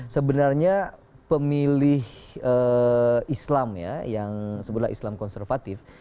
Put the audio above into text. sebenarnya pemilih islam ya yang sebelah islam konservatif